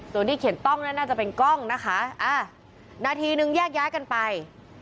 ส่วนที่เขียนกล้องนั้นน่าจะเป็นกล้องนะคะอ่านาทีนึงแยกย้ายกันไป